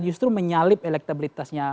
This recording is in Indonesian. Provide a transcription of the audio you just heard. justru menyalip elektabilitasnya